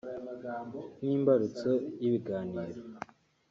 ni imbarutso y’ibiganiro